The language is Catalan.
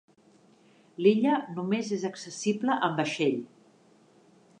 L'illa només és accessible en vaixell.